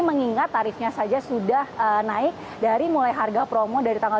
mengingat tarifnya saja sudah naik dari mulai harga promo dari tanggal dua puluh enam